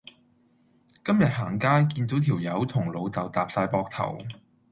今日行街見到條友同老豆搭哂膊頭